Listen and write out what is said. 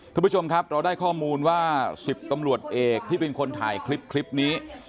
คุณผู้ชมครับเราได้ข้อมูลว่า๑๐ตำรวจเอกที่เป็นคนถ่ายคลิปนี้